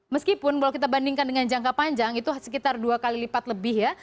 meskipun kalau kita bandingkan dengan jangka panjang itu sekitar dua kali lipat lebih ya